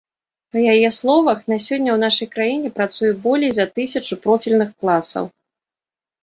Па яе словах, на сёння ў нашай краіне працуе болей за тысячу профільных класаў.